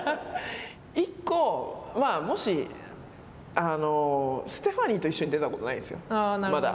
１個、もし、ステファニーと出たことがないんですよ、まだ。